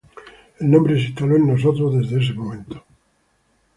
El nombre se instaló en nosotros desde ese momento.